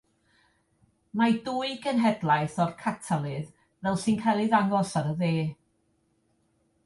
Mae dwy genhedlaeth o'r catalydd, fel sy'n cael ei ddangos ar y dde.